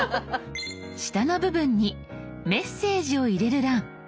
下の部分にメッセージを入れる欄。